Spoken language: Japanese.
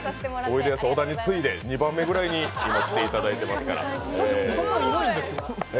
おいでやす小田に次いで２番目くらいに今来ていただいてますから。